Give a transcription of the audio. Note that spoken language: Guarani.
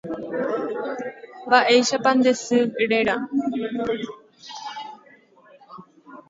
Mba'éichapa nde sy réra.